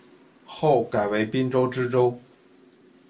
后改为滨州知州。